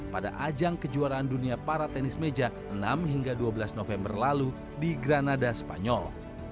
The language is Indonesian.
pada ajang kejuaraan dunia para tenis meja enam hingga dua belas november lalu di granada spanyol